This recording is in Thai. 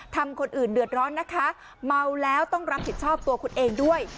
ทำคนอื่นเดือดร้อนนะคะเมาแล้วต้องรับผิดชอบตัวคุณเองด้วย